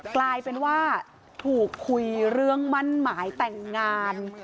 กลายเป็นว่าถูกคุยเรื่องมั่นหมายแต่งงาน